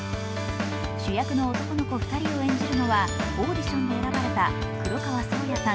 主役の男の子２人を演じるのはオーディションで選ばれた黒川想矢さん